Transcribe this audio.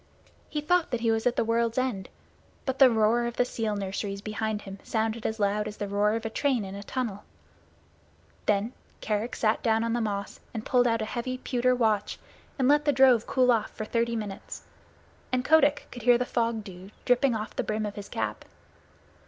He thought that he was at the world's end, but the roar of the seal nurseries behind him sounded as loud as the roar of a train in a tunnel. Then Kerick sat down on the moss and pulled out a heavy pewter watch and let the drove cool off for thirty minutes, and Kotick could hear the fog dew dripping off the brim of his cap.